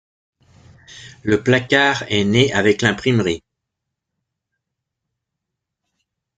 Le placard est né avec l'imprimerie.